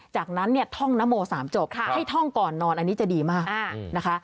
จากนั้นเนี่ยท่องนโม๓จบให้ท่องก่อนนอนอันนี้จะดีมากนะคะ